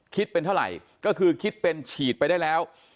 คิดเป็นเท่าไหร่ก็คือคิดเป็นฉีดไปได้แล้ว